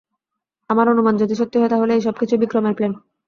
আমার অনুমান যদি সত্যি হয় তাহলে এই সবকিছুই বিক্রমের প্ল্যান।